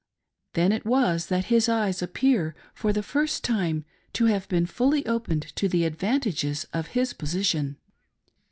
Then jt was that his eyes appear for the first time to have been fully opened to the advantages of his position.